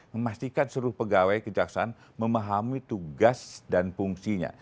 memastikan seluruh pegawai kejaksaan memahami tugas dan fungsinya